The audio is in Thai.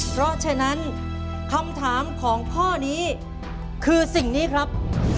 เพราะฉะนั้นคำถามของข้อนี้คือสิ่งนี้ครับ